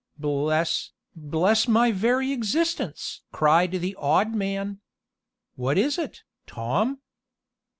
"Bless bless my very existence!" cried the odd man. "What is it, Tom?"